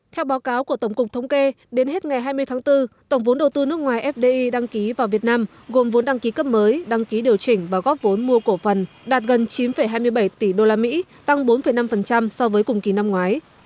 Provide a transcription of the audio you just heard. theo báo cáo của tổng cục thống kê đến hết ngày hai mươi tháng bốn tổng vốn đầu tư nước ngoài fdi đăng ký vào việt nam gồm vốn đăng ký cấp mới đăng ký điều chỉnh và góp vốn mua cổ phần đạt gần chín hai mươi bảy tỷ usd tăng bốn năm so với cùng kỳ năm ngoái